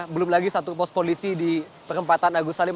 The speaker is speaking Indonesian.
belum lagi satu pos polisi di perempatan agus salim